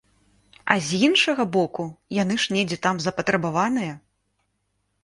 А з іншага боку, яны ж недзе там запатрабаваныя!